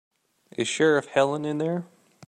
Is Sheriff Helen in there?